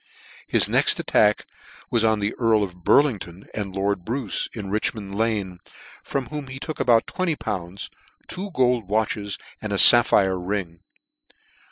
His next attack was on the Earl of Burlington end Lord Bruce, in Richmond Lane, from whom they took about tv enty pounds, two gold watches, and a fapphire ring.